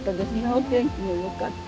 お天気もよかった。